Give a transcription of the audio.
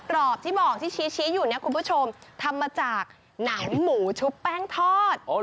รอบที่บอกที่ชี้อยู่เนี่ยคุณผู้ชมทำมาจากหนังหมูชุบแป้งทอด